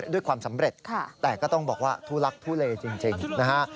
ด้วยความสำเร็จแต่ก็ต้องบอกว่าทุลักทุเลจริงนะฮะ